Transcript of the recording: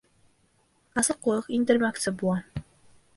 Асыҡлыҡ индермәксе булам.